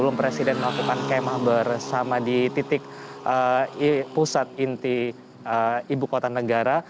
sebelum presiden melakukan kemah bersama di titik pusat inti ibu kota negara